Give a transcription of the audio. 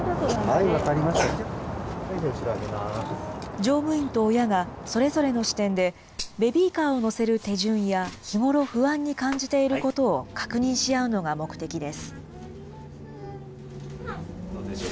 乗務員と親がそれぞれの視点で、ベビーカーを載せる手順や、日頃不安に感じていることを確認し合うのが目的です。